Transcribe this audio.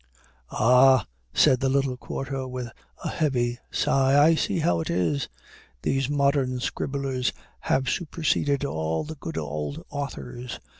"Ah," said the little quarto, with a heavy sigh, "I see how it is; these modern scribblers have superseded all the good old authors.